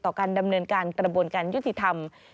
การดำเนินการกระบวนการยุติธรรม